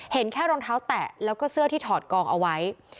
เห็นแค่รองเท้าแตะแล้วก็เสื้อที่ถอดกองเอาไว้